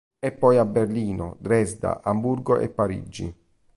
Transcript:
È poi a Berlino, Dresda, Amburgo e Parigi.